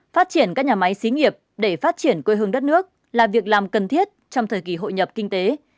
phát triển các nhà máy xí nghiệp để phát triển quê hương đất nước là việc làm cần thiết trong thời kỳ hội nhập kinh tế